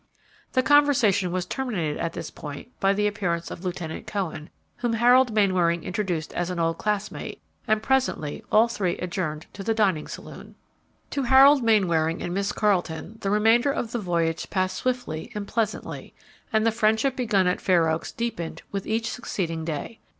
The conversation was terminated at this point by the appearance of Lieutenant Cohen, whom Harold Mainwaring introduced as an old classmate, and presently all three adjourned to the dining saloon. To Harold Mainwaring and Miss Carleton the remainder of the voyage passed swiftly and pleasantly, and the friendship begun at Fair Oaks deepened with each succeeding day.